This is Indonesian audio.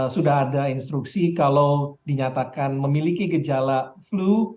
sudah ada instruksi kalau dinyatakan memiliki gejala flu